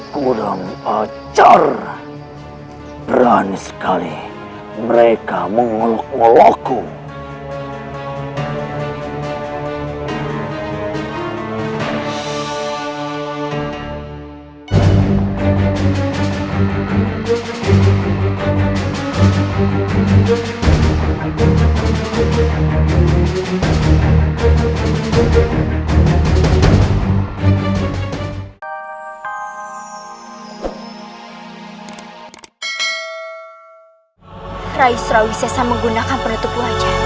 kudamu acar berani sekali mereka mengeluk elukku